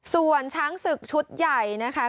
ส่วนช้างศึกชุดใหญ่นะคะ